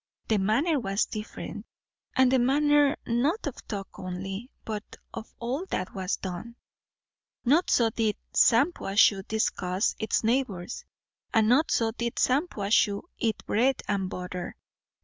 The manner was different; and the manner not of talk only, but of all that was done. Not so did Shampuashuh discuss its neighbours, and not so did Shampuashuh eat bread and butter.